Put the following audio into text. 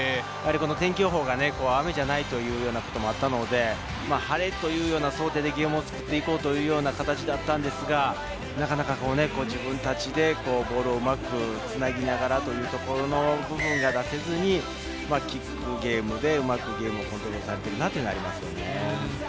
天気予報が雨じゃないということもあったので、晴れという想定で日本は作っていこうという形だったんですが、なかなか自分たちでボールをうまくつなぎながらというところの部分が出せずに、キックゲームでうまく展開されてるなという感じがあります。